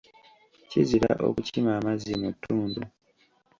Kizira okukima amazzi mu ttuntu.